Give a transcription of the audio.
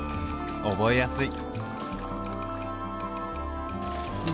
覚えやすい！